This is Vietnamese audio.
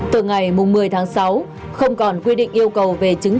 từ ngày một mươi tháng sáu không còn quy định yêu cầu về chứng